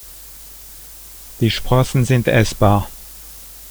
Die Sprossen sind essbar.